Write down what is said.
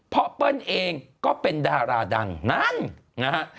เพราะเปิ้ลเองก็เป็นดาราดังนั้นนะฮะ